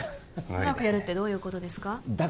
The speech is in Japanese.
うまくやるってどういうことですか？